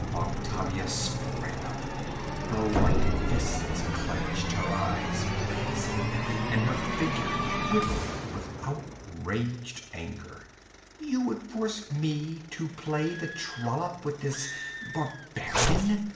Octavia sprang up, her white fists clenched, her eyes blazing and her figure quivering with outraged anger. 'You would force me to play the trollop with this barbarian?'